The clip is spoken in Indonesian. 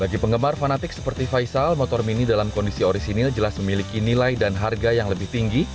bagi penggemar fanatik seperti faisal motor mini dalam kondisi orisinil jelas memiliki nilai dan harga yang lebih tinggi